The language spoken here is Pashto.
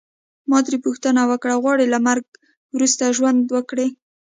ما ترې پوښتنه وکړل غواړې له مرګه وروسته ژوند وکړې.